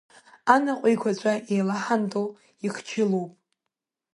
Анаҟә еиқәаҵәа еилаҳанто ихчылоуп.